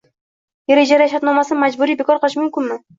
Yer ijara shartnomasini majburiy bekor qilish mumkinmi?ng